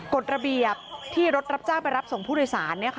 กฎระเบียบที่รถรับจ้างไปรับส่งผู้โดยสาร